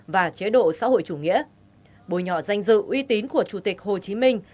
và chế độ xã hội chủ nghĩa bồi nhọ danh dự uy tín của chủ tịch hồ chí minh